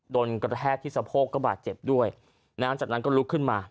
กระแทกที่สะโพกก็บาดเจ็บด้วยนะฮะจากนั้นก็ลุกขึ้นมา